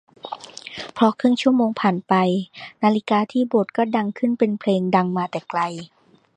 พอครึ่งชั่วโมงผ่านไปนาฬิกาที่โบสถ์ก็ดังขึ้นเป็นเพลงดังมาแต่ไกล